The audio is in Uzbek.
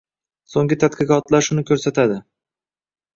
Soʻnggi tadqiqotlar shuni koʻrsatadi.